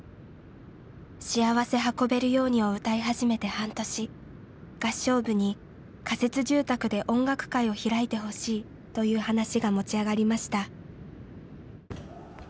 「しあわせ運べるように」を歌い始めて半年合唱部に仮設住宅で音楽会を開いてほしいという話が持ち上がりました。